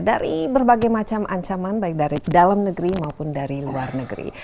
dari berbagai macam ancaman baik dari dalam negeri maupun dari luar negeri